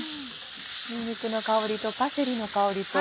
にんにくの香りとパセリの香りと。